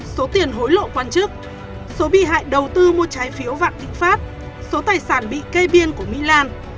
số tiền hối lộ quan chức số bị hại đầu tư mua trái phiếu vạn thịnh pháp số tài sản bị kê biên của mỹ lan